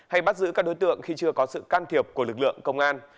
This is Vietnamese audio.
hay bắt giữ các đối tượng khi chưa có sự can thiệp của lực lượng công an